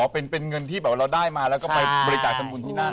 เป็นเงินที่แบบว่าเราได้มาแล้วก็ไปบริจาคทำบุญที่นั่น